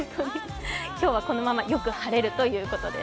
今日は、このままよく晴れるということです。